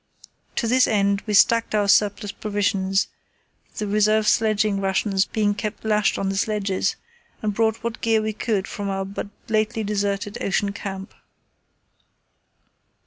To this end, we stacked our surplus provisions, the reserve sledging rations being kept lashed on the sledges, and brought what gear we could from our but lately deserted Ocean Camp.